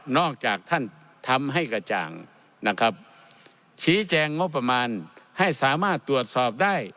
จากท่านทำให้กระจ่างนะครับชี้แจงงบประมาณให้สามารถตรวจสอบได้